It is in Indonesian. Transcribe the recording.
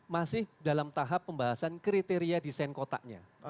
masih dalam tahap pembahasan kriteria desain kotaknya